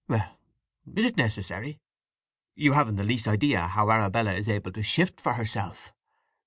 "Well—is it necessary? You haven't the least idea how Arabella is able to shift for herself.